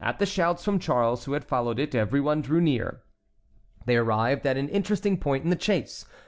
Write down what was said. At the shouts from Charles, who had followed it, everyone drew near. They arrived at an interesting point in the chase.